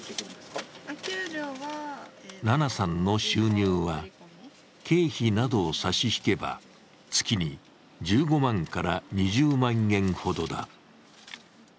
ななさんの収入は、経費などを差し引けば、月に１５万から２０万円ほどだ。